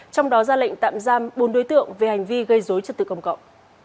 trong đó ra lệnh tạm giam bốn đối tượng về hành vi gây dối trật tự công cộng